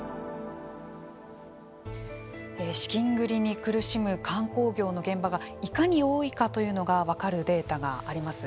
資金繰りに苦しむ観光業の現場がいかに多いかというのが分かるデータがあります。